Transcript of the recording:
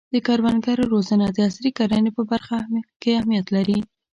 د کروندګرو روزنه د عصري کرنې په برخه کې اهمیت لري.